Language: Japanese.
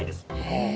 へえ！